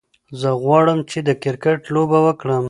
زه غواړم چې د کرکت لوبه وکړم.